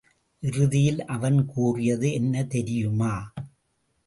இறுதியில் அவன் கூறியது என்ன தெரியுமா?